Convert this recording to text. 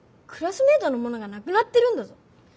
クラスメートのものがなくなってるんだぞ。